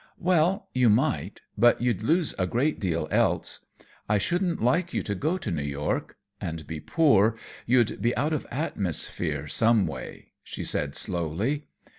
"Well, you might but you'd lose a good deal else. I shouldn't like you to go to New York and be poor, you'd be out of atmosphere, some way," she said, slowly.